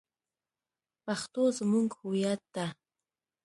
پښتو زمونږ هویت ده